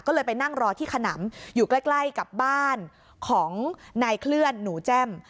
ก็เลยไปนั่งรอที่ขนำอยู่ใกล้กับบ้านของนายเคลื่อนหนูแจ้ม